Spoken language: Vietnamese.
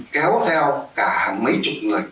kéo theo cả hàng mấy chục người